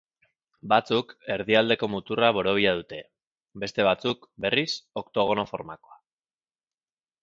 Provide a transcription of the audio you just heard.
Batzuk, erdialdeko muturra borobila dute, beste batzuk, berriz, oktogono formakoa.